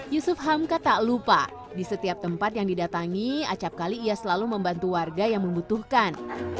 yusuf hamka tak lupa di setiap tempat yang didatangi acapkali ia selalu membantu warga yang membutuhkan